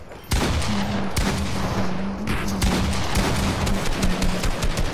Luego la gira veraniega llegaría al Teatro de Pinamar.